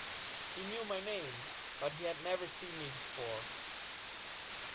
He knew my name, but he had never seen me before.